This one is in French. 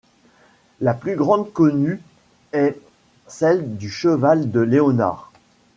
La plus grande connue est celle du cheval de Léonard.